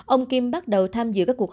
ông kim bắt đầu tham dự các cuộc họp